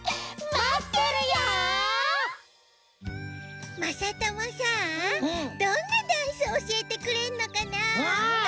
まさともさどんなダンスおしえてくれるのかなあ？